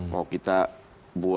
mau kita buat